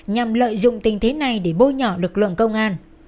nhằm lợi dụng tình thế này để bôi nhỏ lực lượng công an